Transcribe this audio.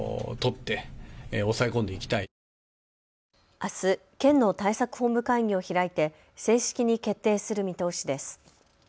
あす、県の対策本部会議を開いて正式に決定する見通しです。